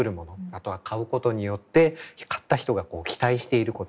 あとは買うことによって買った人が期待していること。